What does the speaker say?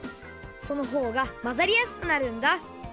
そのほうがまざりやすくなるんだ。